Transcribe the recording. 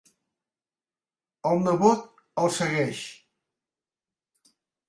El nebot el segueix.